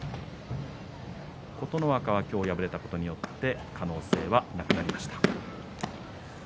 琴ノ若は今日敗れたことによって可能性はなくなりました。